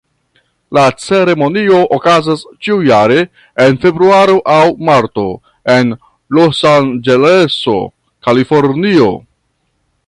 La ceremonio okazas ĉiujare en februaro aŭ marto, en Losanĝeleso, Kalifornio.